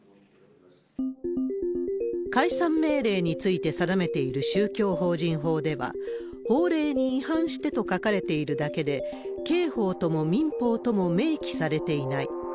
解散命令について定めている宗教法人法では、法令に違反してと書かれているだけで、刑法とも民放とも明記されていない。